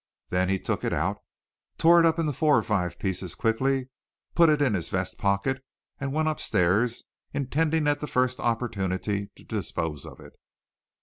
Then he took it out, tore it up into four or five pieces quickly, put it in his vest pocket, and went upstairs intending at the first opportunity to dispose of it.